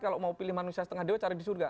kalau mau pilih manusia setengah dewa cari di surga